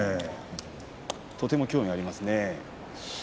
とても興味がありますね。